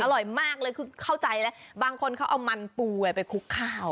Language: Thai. อร่อยมากเลยคือเข้าใจแล้วบางคนเขาเอามันปูไปคลุกข้าว